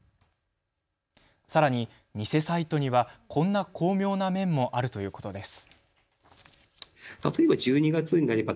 さらに偽サイトにはこんな巧妙な面もあるということです。